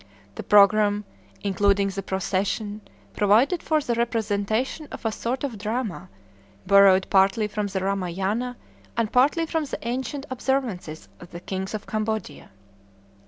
The programme, including the procession, provided for the representation of a sort of drama, borrowed partly from the Ramayana, and partly from the ancient observances of the kings of Cambodia.